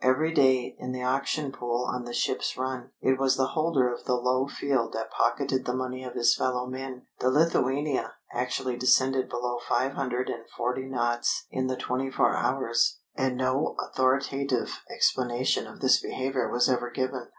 Every day, in the auction pool on the ship's run, it was the holder of the low field that pocketed the money of his fellow men. The Lithuania actually descended below five hundred and forty knots in the twenty four hours. And no authoritative explanation of this behaviour was ever given.